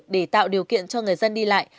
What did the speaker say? để tạo điều kiện cho người dân đi lại